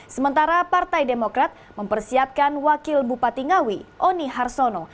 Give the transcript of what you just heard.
sementara partai demokrat mempersiapkan wakil bupati ngawi oni harsono